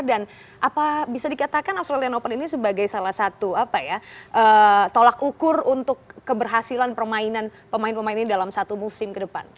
dan apa bisa dikatakan australian open ini sebagai salah satu tolak ukur untuk keberhasilan permainan pemain pemain ini dalam satu musim ke depan